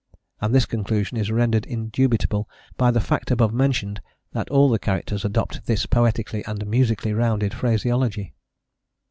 And this conclusion is rendered indubitable by the fact above mentioned, that all the characters adopt this poetically and musically rounded phraseology.